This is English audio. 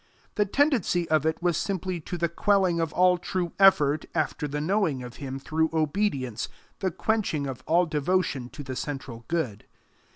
The tendency of it was simply to the quelling of all true effort after the knowing of him through obedience, the quenching of all devotion to the central good.